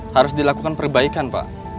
harus dilakukan perbaikan pak